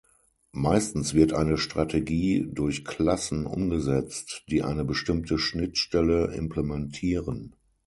Meistens wird eine Strategie durch Klassen umgesetzt, die eine bestimmte Schnittstelle implementieren.